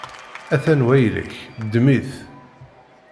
A-t-an wayla-k, ddem-it!